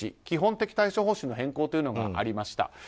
基本的対処方針の変更というのがありました。